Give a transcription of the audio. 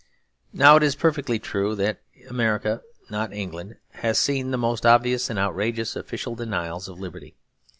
Now it is perfectly true that America and not England has seen the most obvious and outrageous official denials of liberty.